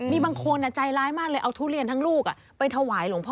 มีบางคนใจร้ายมากเลยเอาทุเรียนทั้งลูกไปถวายหลวงพ่อ